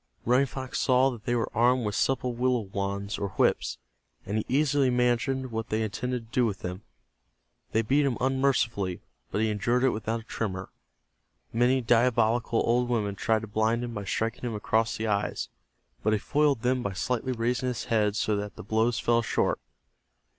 Running Fox saw that they were armed with supple willow wands or whips, and he easily imagined what they intended to do with them. They beat him unmercifully, but he endured it without a tremor. Many diabolical old women tried to blind him by striking him across the eyes, but he foiled them by slightly raising his head so that the blows fell short.